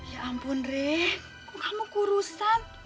ya ampun rek kok kamu kurusan